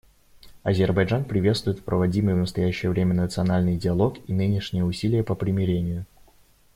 Азербайджан приветствует проводимый в настоящее время национальный диалог и нынешние усилия по примирению.